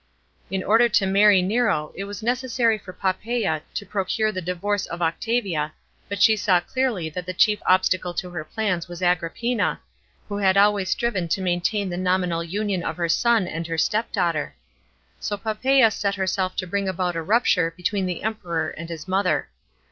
In order to marry Nero it was necessary for Poppasa to procure the divorce of Octavia, but she saw clearly that the chief obstacle to her plans was Agrippina, who had always striven to maintain the nominal union of her son and her stepdaughter. So Poppaei set herself to bring about a rupture between the Emperor and his mother.